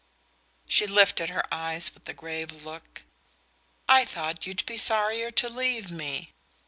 She lifted her eyes with a grave look. "I thought you'd be sorrier to leave me."